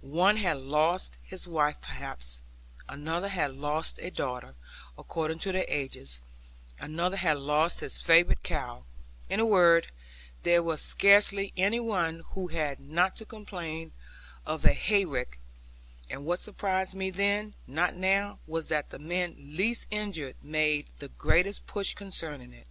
One had lost his wife perhaps, another had lost a daughter according to their ages, another had lost his favourite cow; in a word, there was scarcely any one who had not to complain of a hayrick; and what surprised me then, not now, was that the men least injured made the greatest push concerning it.